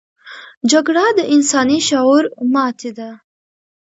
جګړه د انساني شعور ماتې ده